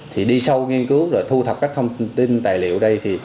thì đi sâu nghiên cứu rồi thu thập các thông tin tài liệu đây